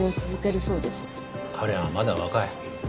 彼はまだ若い。